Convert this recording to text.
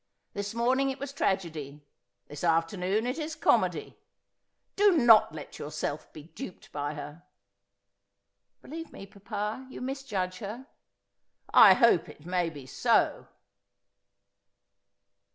This morning it was tragedy ; this afternoon it is comedy. Do not let yourself be duped by her.' ' Believe me, papa, you misjudge her.' ' I hope it may be so.'